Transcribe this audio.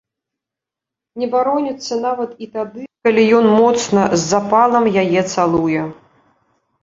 Не бароніцца нават і тады, калі ён моцна, з запалам яе цалуе.